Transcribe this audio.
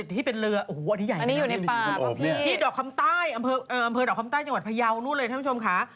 สงสัยก็คนถ่ายรูปกันหมดเลยเห็นมะ